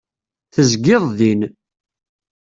Tezgiḍ din.